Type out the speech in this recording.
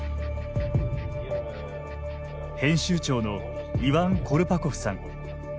編集長のイワン・コルパコフさん。